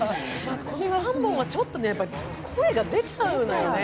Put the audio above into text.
あの３本はちょっと声が出ちゃうのよね。